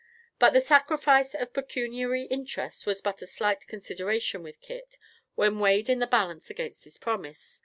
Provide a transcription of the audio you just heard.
But the sacrifice of pecuniary interest was but a slight consideration with Kit, when weighed in the balance against his promise.